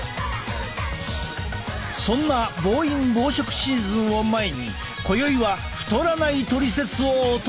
そんな暴飲暴食シーズンを前に今宵は太らないトリセツをお届け！